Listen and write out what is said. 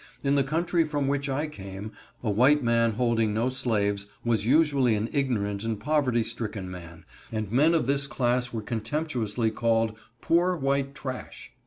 In the country from which I came, a white man holding no slaves was usually an ignorant and poverty stricken man, and men of this class were contemptuously called "poor white trash."